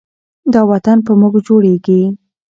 دا وطن په موږ جوړیږي.